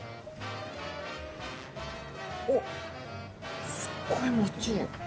おっすっごいもっちり！